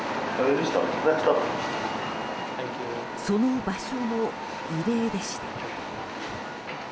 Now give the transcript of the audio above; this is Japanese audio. その場所も異例でした。